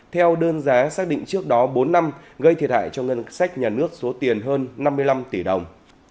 theo đơn giá xác định trước đó bốn năm gây thiệt hại cho ngân sách nhà nước số tiền hơn năm mươi năm tỷ đồng